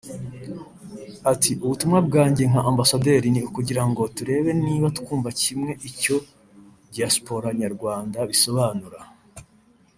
Ati "Ubutumwa bwanjye nka Ambasaderi ni ukugira ngo turebe niba twumva kimwe icyo Diaspora Nyarwanda bisobanura